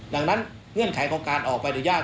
ดังนั้นเงื่อนไขของการออกไปหรือยาก